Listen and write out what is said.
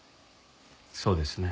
そうですね。